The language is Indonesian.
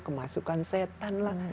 kemasukan setan lah